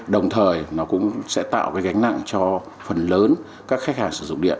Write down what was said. đồng thời nó cũng sẽ tạo cái gánh nặng cho phần lớn các khách hàng sử dụng điện